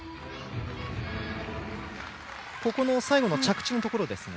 最後の着地のところですね。